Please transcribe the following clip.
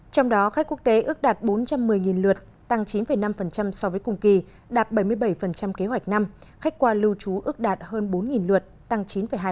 trong đó khách quốc tế ước đạt bốn trăm một mươi lượt tăng chín năm so với cùng kỳ đạt bảy mươi bảy kế hoạch năm khách qua lưu trú ước đạt hơn bốn lượt tăng chín hai